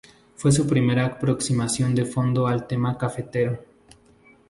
Fue su primera aproximación de fondo al tema cafetero.